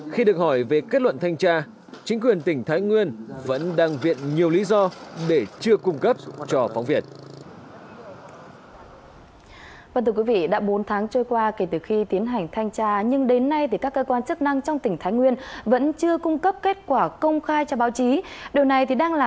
khi được hỏi về vấn đề này chính quyền địa phương cũng như các sở ban ngành liên quan luôn tìm cách né tránh